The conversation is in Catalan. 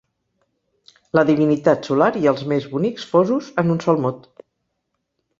La divinitat solar i els més bonics fosos en un sol mot.